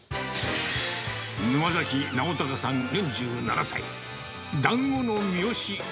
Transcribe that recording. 沼崎直隆さん４７歳。